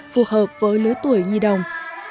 phù hợp với lứa tuổi nhi đồng